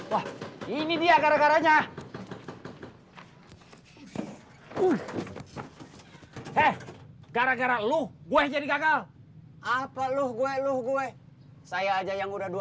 wah ini dia karakaranya